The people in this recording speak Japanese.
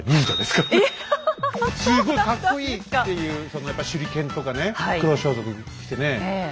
すごいカッコいいっていうそのやっぱり手裏剣とかね黒装束着てね